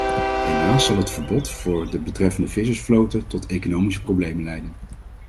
Helaas zal het verbod voor de betreffende vissersvloten tot economische problemen leiden.